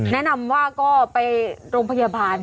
แนะนำว่าก็ไปโรงพยาบาล